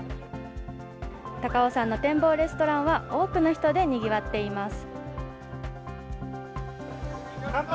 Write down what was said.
高尾山の展望レストランは多くの人でにぎわっています。